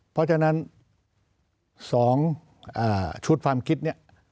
เพราะฉะนั้น๒ชุดความคิดเนี่ย